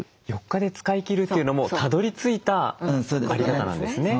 ４日で使い切るというのもたどりついた在り方なんですね。